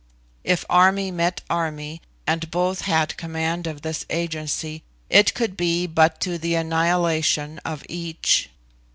If army met army, and both had command of this agency, it could be but to the annihilation of each.